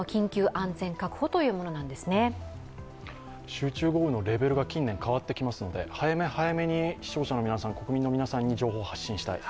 集中豪雨のレベルが近年変わってきますので早め早めに視聴者の皆さん、国民の皆さんに情報を発信したい。